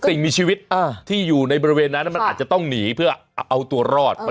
สิ่งมีชีวิตที่อยู่ในบริเวณนั้นมันอาจจะต้องหนีเพื่อเอาตัวรอด